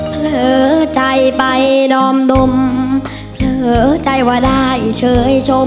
เผลอใจไปดอมนมเผลอใจว่าได้เฉยชม